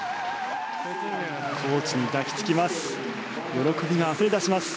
コーチに抱きつきます。